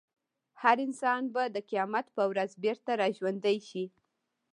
هر انسان به د قیامت په ورځ بېرته راژوندی شي.